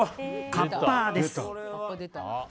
カッパです。